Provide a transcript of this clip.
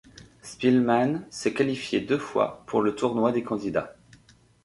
Speelman s'est qualifié deux fois pour le Tournoi des candidats.